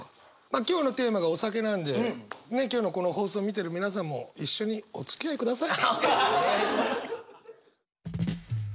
今日のテーマが「お酒」なんでねっ今日のこの放送を見てる皆さんも一緒におつきあいください。